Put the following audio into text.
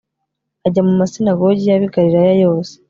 Ajya mu masinagogi y ab i Galilaya yose